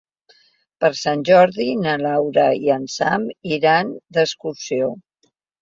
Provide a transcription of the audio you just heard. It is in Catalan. Per Sant Jordi na Laura i en Sam iran d'excursió.